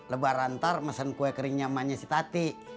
lebaran ntar mesen kue keringnya maennya si tati